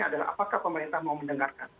adalah apakah pemerintah mau mendengarkan